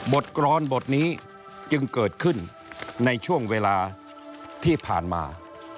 กรอนบทนี้จึงเกิดขึ้นในช่วงเวลาที่ผ่านมา